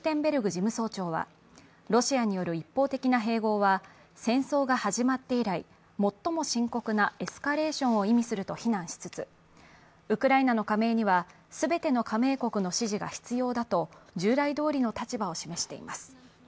事務総長は、ロシアによる一方的な併合は戦争が始まって以来最も深刻なエスカレーションを意味すると非難しつつウクライナの加盟には、全ての加盟国の支持が必要だと従来どおりの立場を示しています。